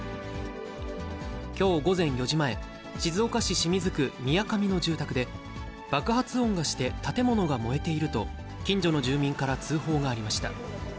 きょう午前４時前、静岡市清水区宮加三の住宅で、爆発音がして建物が燃えていると、近所の住民から通報がありました。